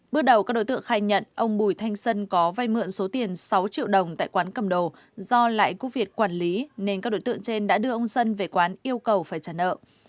bước đầu các đối tượng khai nhận ông bùi thanh sơn có vai mượn số tiền sáu triệu đồng tại quán cầm đồ do lại quốc việt quản lý nên các đối tượng trên đã đưa ông dân về quán yêu cầu phải trả nợ